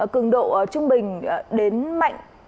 cường độ trung bình đến mạnh